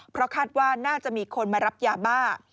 เพราะคาดว่าน่าจะมีคนมารับยาบ้า